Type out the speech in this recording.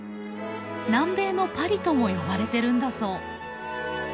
南米のパリとも呼ばれてるんだそう。